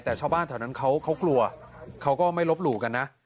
แต่ชาวบ้านแถวนั้นเขากลัวเขาก็ไม่ลบหลู่กันนะ